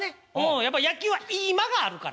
やっぱ野球はいい間があるから。